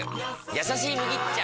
「やさしい麦茶」！